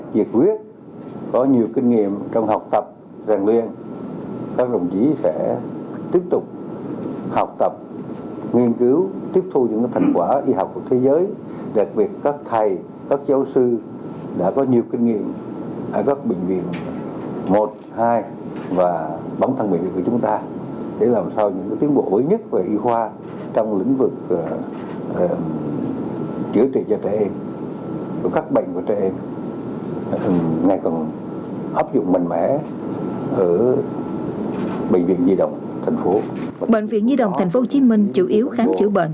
bệnh viện nhi đồng thành phố hồ chí minh chủ yếu khám chữa bệnh